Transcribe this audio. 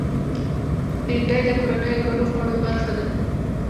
بېنډۍ د کورنیو ګډو خوړو برخه ده